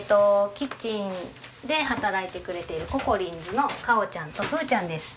キッチンで働いてくれているココリンズのかおちゃんとふーちゃんです。